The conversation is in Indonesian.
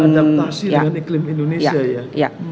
adaptasi dengan iklim indonesia ya